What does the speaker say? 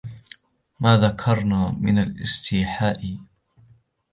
مَا ذَكَرْنَا مِنْ الِاسْتِحْيَاءِ